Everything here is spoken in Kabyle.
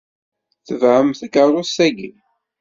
Tebɛem takeṛṛust-ayi.